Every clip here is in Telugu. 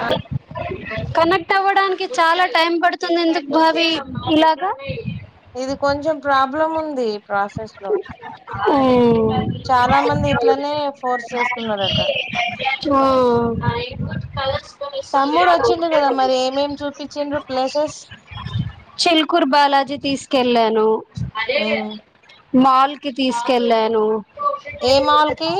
ఆ [inaudible] కనెక్ట్ అవ్వడానికి చాల టైం పడుతుంది ఎందుకు భావి ఇలాగ ఇది కొంచెం ప్రాబ్లం ఉంది ప్రాసెస్ లో ఆ చాలా మంది ఇట్లనే ఫోర్స్ చేస్తున్నారట [inaudible] తమ్ముడు వచ్చిండు కదా మరి ఏమేమి చూపించిండు ప్లేసెస్ బిల్కుర్ బాలాజీ తీసుకెళ్ ఉమ్ మాల్ కి తీసుకెళ్ళారు ఏ మాల్కి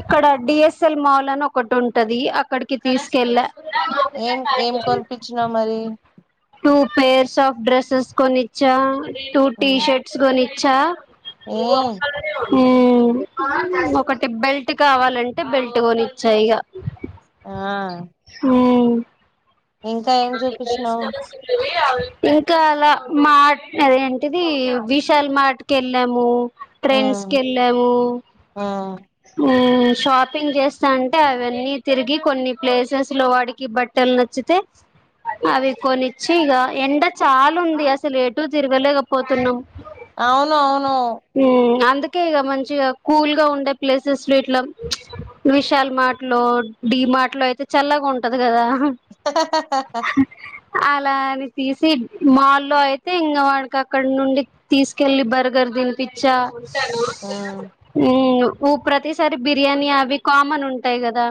ఇక్కడ డిఎస్ఎల్ మాల్ అని ఒకటి ఉంటది అక్కడికి తీసుకెళ్ళ ఏం ఏం కొనిపించినావ్ మరి టూ పేర్స్ ఆఫ్ డ్రెస్సెస్ కొనిచ్చా టూ టీ ఉమ్ షర్ట్స్ కొనిచ్చా ఏ [unintelligible] ఒకటి బెల్ట్ కావాలంటే బెల్ట్ కొనిచ్చా ఇగ ఆ [inaudible] ఇంకా ఏం చూపించినావు [unintelligible] ఇంకా అల మా అది ఏంటిది విశల్ మర్ట్ కి వెళ్ళాము ట్రెండ్స్ ఉమ్ కెళ్ళము ఉమ్ షాపింగ్ చేస్తన్టే అవన్నీ తిరిగి కొన్ని ప్లేసెస్ లో వాడికి బట్టలు నచ్చితే [inaudible] అవి కొనిచ్చి ఇగ ఎండ చాలా ఉంది అసలు ఎటుూ తిరగలేకపోతున్నాం అవును అవును ఉమ్ అందుకే ఇగ మంచి కూల్ గా ఉండే ప్లేసెస్ ఇట్లా విశల్ మాట్ లో డి మర్ట్ లో అయితే చల్లగా ఉంటది కదా [unintelligible] అల అవి తీసి మాల్లో అయితే ఇంగ వాడికి అక్కడ నుండి తీసుకెళ్ళి బర్గర్ దినిపిచ్చా ఉమ్ ప్రతిసారి బిర్యానీ అవి కామన్ ఉంటాయ్ కదా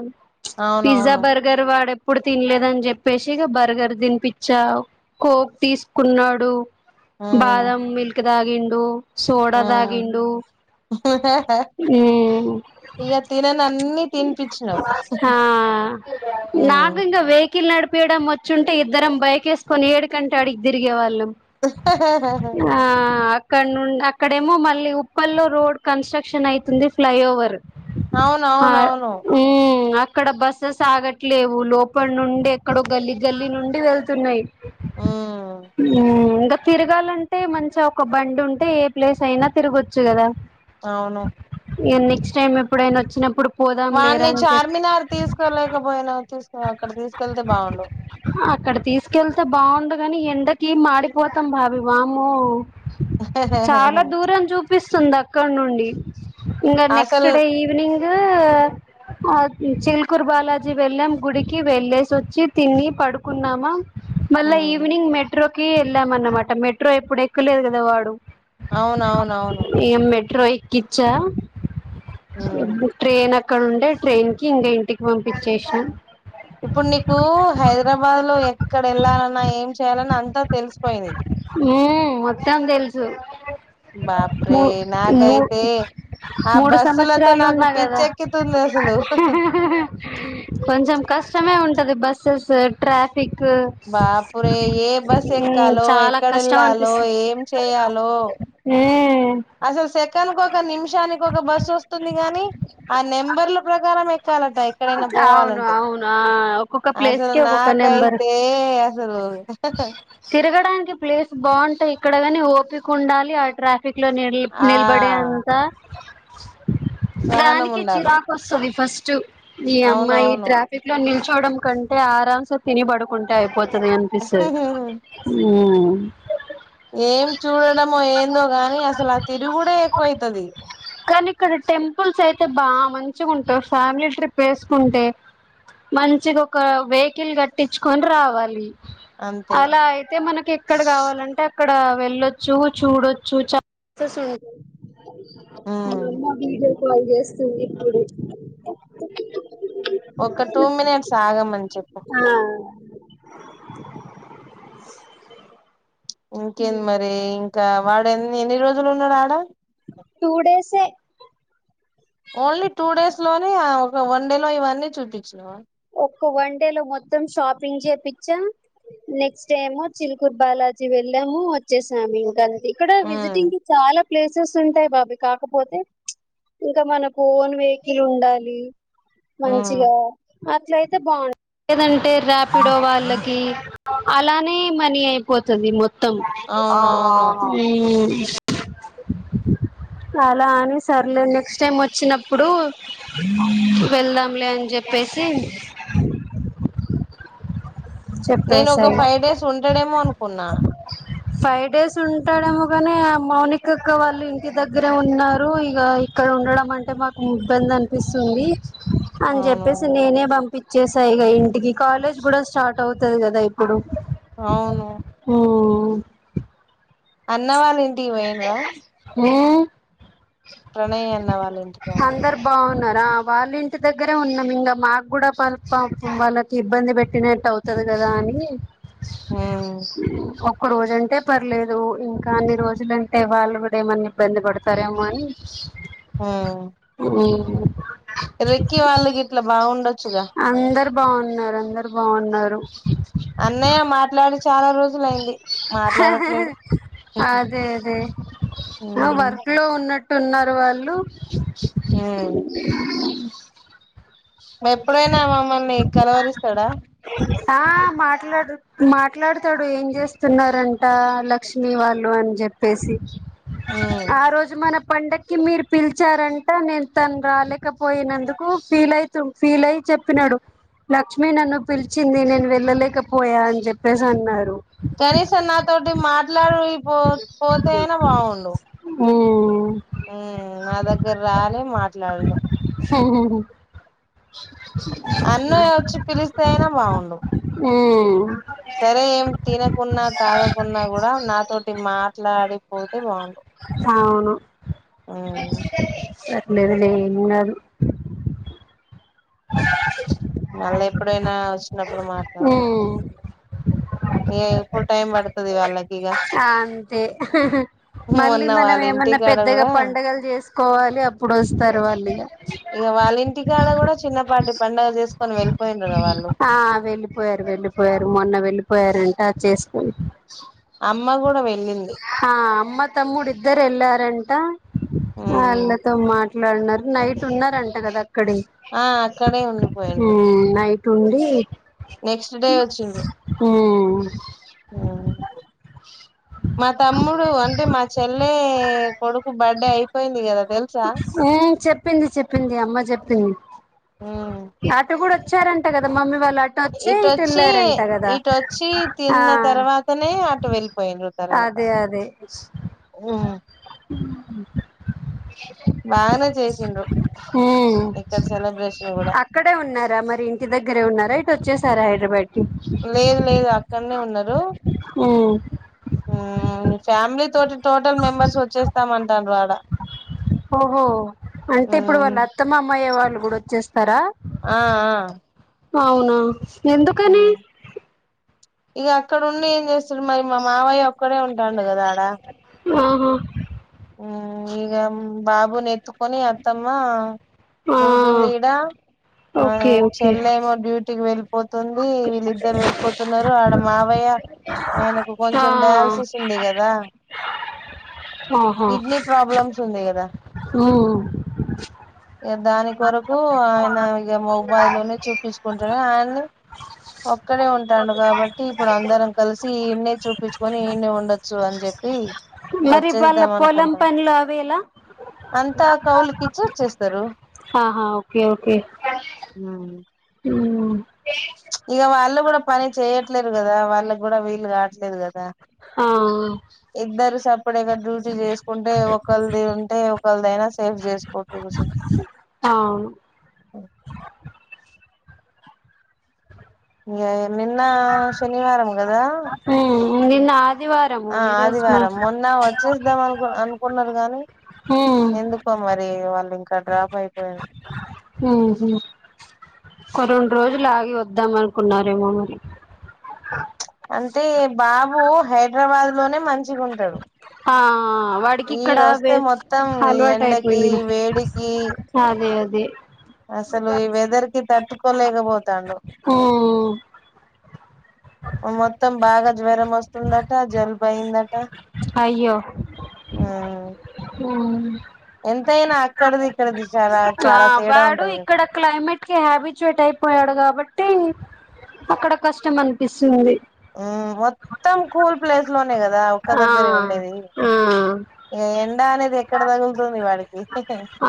పిజ్జా అవునవును బర్గర్ వాడు ఎప్పుడు తినలేదని చెప్ సి ఇగ బర్గర్ తినిపచ్చా కోక్ తీసుకున్నాడు ఉమ్ బాదం మిల్క్ తాగిండు సోడ ఉమ్ దాగిండు ఉ ఇక తినని అన్ని తినిపించినావు ఆ ఉమ్ నాకు ఇంగ [unintelligible] వైకిల్ నడిపేయడం వచ్చుంటే ఇద్దరం బైక్ వేసుకొని ఏడు కంటే అడిగకి తిరిగేవాళ్ళం ాాా అక్కడ నుండి అక్కడేమో మళ్ళీ ఉప్పల్లో రోడ్ కన్స్ట్రక్షన్ అయితుంది ఫ్లై ఓవర్ ఆ అవునవునవును ఇక్కడ బస్సెస్ ఆగట్లేవు లోపల నుండి ఎక్కడో గల్లి గల్లి నుండి వెళ్తున్నాయి ఉమ్ ఆ ఇంకా తిరగాలంటే మంచిగా ఒక బండి ఉంటే ఏ ప్లేస్ అయినా తిరగొచ్చు కదా అవును నెక్స్ట్ టైమ్ ఎప్పుడైనా వచ్చినప్పుడు పోదాం వాడిని లేరా అని చెప్పి చార్మినార్ తీసుకోలేకపోయిన తీసుకో అక్కడ తీసుకెళ్తే బాగుండు అక్కడ తీసుకెళ్తే బాగుండుగాని ఎండ మాడిపోతాం బాబ వామో చాలా దూరం చూపిస్త స్తుందిక్క నుండి ఇంకా నెక్స్ట్ అసలు డే ఈవినింగ్ చిల్కూరు బాలాజీ వెళ్ళం గుడికి వెళ్ళే వచ్చి తిని పడుకున్నామా మళ్ళ ఉమ్ ఈవినింగ్ మెట్రో వెళ్ళామన్నమాట మెట్రో ఎప్పుడు ఎక్కులేదు కదా వాడు అవునవునవును ట్రైన్యేక్కిచ్చా ఉమ్ ఓదు ట్రైన్క్క ఇక్కడండే ట్రైన్ కి ఇంక ఇంటికి పంపించేసి ఓ హైదరాబాద్ లో ఎక్కడ వెళ్ళాలన్నా ఏం చెయాలని అంతా తెలిసిపోయింది ఉ మొత్తం తెలుసు మూ బపురే మూ నాకైతే ఆ మూడు బస్సులతో సంవత్సరాలు నాకు ఉన్నా పిచ్చ కదా ఎక్కితుంది అసలు కొంచెం కష్టమే ఉంటది బస్సెస్ ట్రాఫ్ ఫ్క్ బాపురే ఏ బస్ ఎక్కాలో చాలా ఎక్కడ కష్టం వెళ్ళాలో అనిపిస్తుంది ఏం చేయాలో ఎ అసలు సెకండ్కు ఒక నిమిషానికి ఒక బస్ వస్తుంది గాని ఆ నెంబర్ల ప్రకారం ఎ ఎక్కాలంట ఎక్కడైనా అవును పోవాలంటే అవును ఆ ఒక్కొక్క ప్లేస్ అసలు కి ఒక్కొక్క నెంబర్ నాకైతే అసలు తిరగడానికి ప్లేస్ బాగుంటాయి ఇక్కడ కాని ఓపిక ఉండాలి ఆట్రా ఫ్క్లో నిల్ ఆ నిలబడేంత సహనం దానికి ఉండాలి చిరాకు వస్తుది ఫస్ట్ నీయమ్మ ఇ అవునవును ట్రాఫిక్ లో ని చోడం కంటే ఆరాంసే తినిబడుకుంటే అయిపోతుంది అనిపిస్తుంది అ ఏం చూడడమో ఏందో కాని అసలు ఆ తిరుగుడే ఎక్కువైతది కానీ ఇక్కడ టెంపుల్స్ అయితే బాగా మంచిగా ఉంటై ఫ్యామిలీ ట్రిప్ వేసుకుంటే మంచిగా ఒక వెహికల్ కట్టించుకొని రావాలి అంతే అలా అయితే మనకి ఎక్కడ కావాలంటే అక్కడ వెళ్ళొచ్చు చూడొచ్చు చాల ప్లేసెస్ మా ఉమ్ అమ్మ వీడియో కాల్ చేస్తుంది ఇప్పుడు ఒక టూ మినిట్స్ ఆగమని చెప్పు ఆ ఇంకేంది మరి ఇంకా వాడు ఎన్ని ఎన్ని రోజులు ఉన్నాడు ఆడ టూ డైసే ఓన్లీ టూ డేస్ లోనే ఒక వన్ డే లో ఇవన్నీ చూపించినవ ఒక వన్ డేలో మొత్తం షాపింగ్ చేపిచ్చా నెక్స్ట్ ఏమో చిలుకూరి బాలాజీ వెళ్ళాము వచ్చేసము ఇంకా ఇక్కడ ఉమ్ విజిటింగ్ కి చాలా ప్లేసెస్ ఉంటాయి బాబీ కాకపోతే ఇంకా మనకు ఓన్ వెహికల్ ఉండాలి ఉమ్ మంచిగా అట్లయితే బాన్ లేదంటే ర్యాపిడో వాళ్ళకి అలానే మనీ అయిపో పోతుంది మొత్తం ఆ అవునవును మ్ అలా అని సర్లే నెక్స్ట్ టైం వచ్చినప్పుడు వెళ్దాంలే అని జేప్ ప్పేసి నేను ఒక ఫైవ్ డేస్ ఉంటడేమో అనుకున్న ఫైవ్ డేస్ ఉంటాడేమో కాని మౌనికక్క వాళ్ళు ఇంటి దగ్గరే ఉన్నారు ఇగ ఇక్క ఉండడం అంటే మాకు ఇబ్బంది అనిపిస్తుంది అని అవును జేప్పేసి నేనే పంపించేసా ఇగ ఇంటికి కాలేజ్ గూడ స్టా ర్ట్ అవుతది కదా ఇప్పుడు అవును మ్ అన్న వాళ్ళ ఇంటికి పోయిడ్రా హ్మ్మ్ ప్రణయ్ అన్న వాళ్ళ ఇంటి కాడ అందరు బాగున్నారా వాళ్ళ ఇంటి దగ్గరే ఉన్నాం ఇంగ మాకు గూడా పల్ప్ కప్పిటిగ్ వాళ్ళకి ఇబ్బంది పెట్టినట్టు అవుతది గ కదా అని ఉమ్ ఒక రోజు అంటే పర్లేదు ఇంకా అన్ని రోజులంటే వాళ్ళు గూడా ఏమన్నా ఇబ్బంది పడతారేమో వన్ ఆ మ్ రిక్కి వాళ్ళకి ఇట్లా బావుండ అందరు బావున్నారు అందరు బావున్నారు అన్నయ్య మాట్లాడి చాలా రోజులయింది మాట్లాడట్లేడు అదే అదే ఆ ఉమ్ వర్క్లో ఉన్నట్టు ఉన్నారు వాళ్ళు హ్మ్ ఎప్పుడైనా మమ్మల్ని కలవరిస్తాడా లేదు మాట్లాడతాడు ఏం చేస్తున్నారంట లక్ష్మీ వాళ్ళు అని జేప్పేసి ఉమ్ ఆ రోజు మన పండక్కి మీరు పిల్ చ్చారంట నేను తను రాలేకపోయినందుకు ఫీల్ అయితు ఫీల్ అయ్ చెప్పినాడు లక్ష్మి నన్ను పిలిచింది నేను వెళ్ళలేకపోయా అని జేప్పేసి అన్నారు కనీసం నాతోటి మాట్లాడి పో పోతేనా బావుండు మ్మ్ ఉమ్ నా దగ్గర రాలే మాట్లాడలే హ అన్నయ్య వచ్చి పిలిస్తే అయినా బాగుండు మ్ సరే ఏం తినకున్నా తాగకున్నా కూడా నాతోటి మాట్లాడిపోతే బావుంటది. అవును లేదులే ఏం కాదు మళ్ళీ ఎప్పుడైనా వచ్చినప్పుడు మాట్లాడదంట ఉమ్ ఏ ఎప్పుడు టైం పడతది వాళ్ళకిగ అంతే మళ్ళీ మనం ఏమన్నా పెద్దగా పండుగలు చేసుకోవాలి అప్పుడు వస్తారు వాళ్ళు ఇగ ఇగ వాళ్ళ ఇంటికాడ కూడా చిన్నపాటి పండుగ చేస్ ఆ వెళ్ళిపోయారు వెళ్ళిపోయారు మొన్న వెళ్లిపోయారండి ట చేస్ అమ్మ కూడా వెళ్ళింది ఆ అమ్మ తమ్ముడు ఇద్దరు ఎళ్ ఏంటా మ్మ్ ఆళ్ళతో మాట్లాడనరు నైట్ ఉన్నారంట గదా అక్కడే ఆ అక్కడే ఉండి పోయిండ్రు. నైట్ ఉండి. నెక్స్ట్ డే వచ్చిన్రు మా తమ్ముడు అంటే మా చెల్లె కొడుకు బర్త్డే అయిపోయింది గదా వెల్ చ అన్ చెప్పింది చెప్పింది అమ్మ చెప్పింది మ్మ్ అటు గూడా వచ్చారంట గదా మమ్మీ వాళ్ళ అటు వచ్చే ఇటు ఇటొచ్చి వెళ్ళారంట గదా ఇటొచ్చి ఆ తిన్న తర్వాతనే అటు అదే అదే ఓహ్ బాగానే చేసిండ్రు హుహ్ హా ఇక్కడ సెలబ్రేషన్ కూడా అక్కడే ఉన్నారా మరి ఇన్ గి దగ్గర ఉన్నారా ఇట్ వచ్చేసారా హె లేదు లేదు అక్కడనే ఉన్నరు. ఉహ్ ఫ్యామిలీ తోటి టోటల్ మెంబర్స్ వచ్చేస్తామంటర్ అడా ఓహో అంటే ఇప్పుడు వాళ్ళ అత్తమ్మ అమ్మయ్యే వాళ్ళు గూడా వచ్చేస్తారా. ఆ ఆ అవునా ఎందుకని ఇగా అక్కడ ఉండి. ఏం జేస్తడు మరి, మా మావయ్య ఒక్కడే ఉంటాడు గదా ఆడా. ఆహా ఉహ్ ఇగా బాబునీ ఎత్తుకొని అత్తమ్మా ఆ ఉంటుంది ఇడా ఆ ఓకే ఓకే చెల్లేమో డ్యూటీకి వేల్ తుంది. వీళ్ళిద్దరు వెళ్ళిపోతున్నారు ఆడా మావయ్య ఆయనకు ఆ కొంచెం డయాలసిస్ ఉంది గదా ఆహా కిడ్నీ ప్రాబ్లమ్స్ ఉంది గదా ఉమ్ ఇగా దాని కొరకు ఆయన ఇగా మొబైల్ లోనే చూపించుకుంటనే ఆయనే ఒక్కడే ఉంటాండు గాబట్టి ఇప్పుడు అందరం కలిసి ఇడనే చూపించుకొని ఇనే ఉండచ్చు అని చెప్ప వీ మరి వాళ్ళ పొలం పనులు అవీ ఎలా అంతా కౌలుకి ఇచ్చి వచ్చేస్తరు. ఆహా ఓకే ఓకే హుహ్ ఇగా వాళ్ళు గూడా పని చేయట్లేరు గదా, వాళ్ళ గూడా వీళ్ళు గాట్లేదు గదా. ఆ ఇద్దరు సపడేగా డ్యూటీ చేసుకుంటే ఒక్కలధి ఉంటే ఒకరిది అయినా సేఫ్ జేసుకో తోసబ్ అవును ఇంగా ఏ నిన్న శనివారం గదా. ఉమ్ నిన్న ఆదివారము ఆ ఈరోజు మా ఆదివారం మొన్న వచ్చేసద్దాం అనుకున్ అనుకున్నారు గానీ. ఉమ్ ఎందుకో మరి వాళ్ళు ఇంకా డ్రాప్ అయిపోయిన్ ఉహుహ్ ఒక రెండు రోజులు ఆగి వద్దాం అనుకున్నారేమో మరి. అంటే బాబు హైడ్రాబాద్ లోనే మంచిగా ఉంటాడు. హాఆఆ వాడికి ఇక్కడ ఈడొస్తే వేస్ మొత్తం ఈ అలవాటు ఎండకి అయిపొయింది. వేడికి అదే అద్ అసలు ఈ వెదర్ కి తట్టుకోలేకపోతాడు. ఉమ్ ఓ మొత్తం బాగా జ్వరం వస్తుందట జలుబు అయిందట. అయ్యో ఉమ్ హ్మ్ ఎంతైనా అక్కడిది ఇక్కడిది చాలా చాలా ఆ తేడా వాడు ఉంటది కదా ఇక్కడ క్లైమేట్ కి హ్యాబిచుయేట్ అయిపోయాడు కాబ ట్టి అక్కడ కష్టం అనిపిస్తుంది హ్మ్ మొత్తం కూల్ ప్లేస్ లోనే కదా ఒక్క ఆ దగ్గరే ఉండేది ఇయాఎన్ ఆ ఎండా అనేది ఎక్కడ తగులుతుంది వాడికి ఆ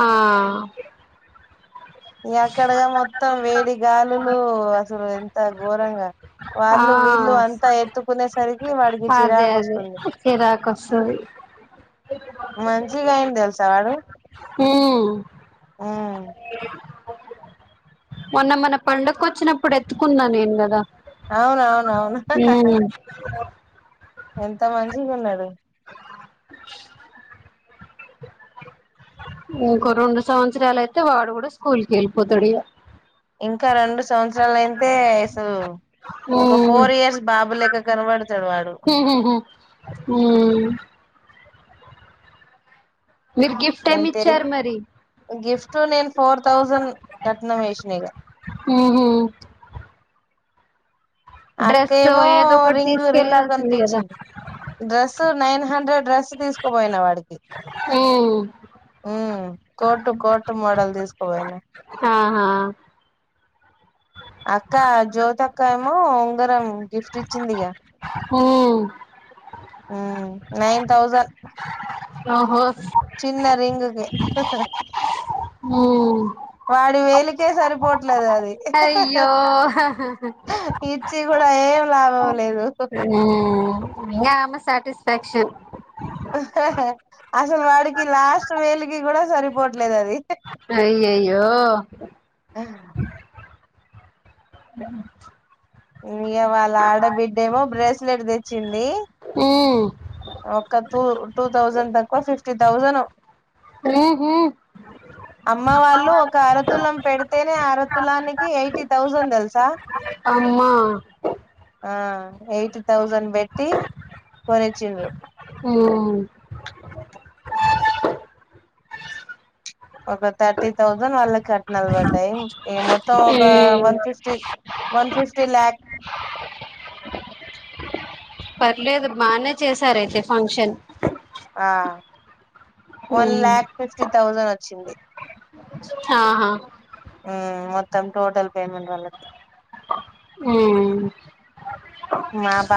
ఎక్కడగా మొత్తం వేడి గాలులు అసలు ఎంత ఘోరంగా ఆ వాళ్ళు వీళ్ళు అంతా ఎత్తుకునే సరికి వాడికి అదే చిరాకు అదే వస్తుంది చిరాకు వస్తది మంచిగా అయింది తెలుసా వాడు ఉమ్ హ్మ్ మొన్న మన పండకి వచ్చినప్పుడు ఎత్తుకున్న నేను కదా అవునవునవును హ్మ్ ఎంత మంచిగున్నాడు ఇంకో రెండు సంవత్సరాలు అయితే వాడు కూడా స్కూల్ కి వెళ్ళిపోతాడు ఇగ ఇంకా రెండు సంవత్సరాలు అయితే ఏసు ఒక ఉమ్ ఫోర్ ఇయర్స్ బాబులేక్క కనబడతాడు వాడు హ్మ్ మీరు గిఫ్ట్ ఏమి నేను తిరిగి ఇచ్చారు మరి గిఫ్ట్ నేను ఫోర్ థౌజండ్ కట్నం మేసిన ఇగ ఆహా అక్క ఏమో ఏదో ఒకటి రింగు రింగ్ తీసుకెళ్లాల్సింది కదా కోనిపించింది డ్రెస్ నైన్ హండ్రెడ్ డ్రెస్ తీసుకుపోయినా వాడికి ఉమ్ హ్మ్ కోటు కోటు మోడల్ తీసుకోపోయినా ఆ అక్క జ్యోత అక్క ఏమో ఉంగరం గిఫ్ట్ ఇచ్చింది ఇగ ఉమ్ అ నైన్ థౌసండ్ ఓహో చిన్న రింగ్కి వాడి వేలికే సరిపోట్లేదు అది అయ్యో లావోల్ అ ఇంగ ఆమె సాటిస్ఫాక్షన్ అసలు వాడికి లాస్ట్ వేలుకి కూడా సరిపోట్లేదు అది అయ్యాయ్యో ఆ అ ఇగ వాళ్ళ ఆడబిడ్డేమో బ్రేస్లెట్ తెచ్చింది ఉమ్ ఒక తు టూ థౌజండ్ తక్కువ ఫిఫ్టీ థౌజంను ఉహు అమ్మ వాళ్ళు ఒక అరతులం పెడ్ తేనే అరతులానికి ఎయిటీ థౌజండ్ తెలుసా అమ్మ ఆ ఎయిటీ థౌజండ్ పెట్టి కొనిచ్చిండ్రు అ ఒక థర్టీ థౌజండ్ వాళ్ళకి కట్నలుబడ్డాయి ఏ మొత్తం ఒక ఉమ్ వన్ ఫిఫ్టీ వన్ ఫిఫ్ పిలాక్ పర్లేదు బానే చేసారయితే ఫంక్షన్ ఆ one um lakh fifty thousand వచ్చింది. ఆహా ఉమ్ మొత్తం టోటల్ పేమెంట్ వాళ్లకి ఉమ్ మా బా